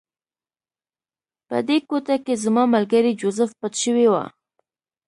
په دې کوټه کې زما ملګری جوزف پټ شوی و